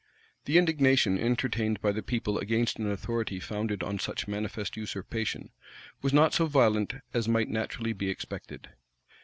The indignation entertained by the people against an authority founded on such manifest usurpation, was not so violent as might naturally be expected.